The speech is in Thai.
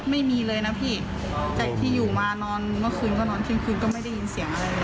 ไม่มีเลยนะพี่จากที่อยู่มานอนเมื่อคืนก็นอนเที่ยงคืนก็ไม่ได้ยินเสียงอะไรเลย